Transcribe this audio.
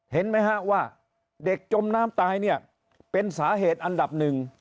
เห็นไหมฮะว่าเด็กจมน้ำตายเนี่ยเป็นสาเหตุอันดับหนึ่ง